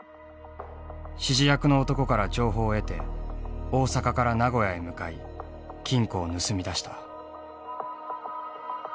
指示役の男から情報を得て大阪から名古屋へ向かい金庫を盗み出した。